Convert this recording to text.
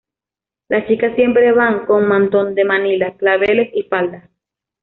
Las chicas siempre van con mantón de Manila, claveles y falda.